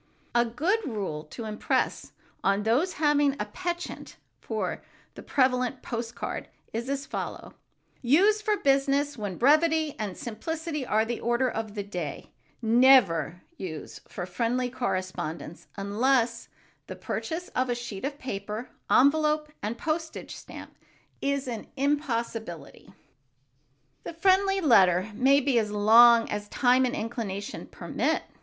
A good rule to impress on those having a penchant for the prevalent post card is as follows: "Use for business when brevity and simplicity are the order of the day; never use for friendly correspondence unless the purchase of a sheet of paper, envelope and postage stamp is an impossibility." The friendly letter may be as long as time and inclination permit.